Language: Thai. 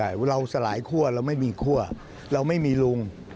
ใช่เราสลายคั่วเราไม่มีคั่วเราไม่มีลุง